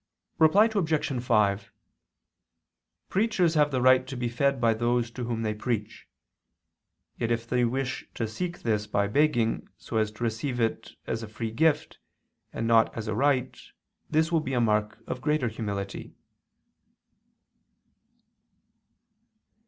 Reply Obj. 5: Preachers have the right to be fed by those to whom they preach: yet if they wish to seek this by begging so as to receive it as a free gift and not as a right this will be a mark of greater humility.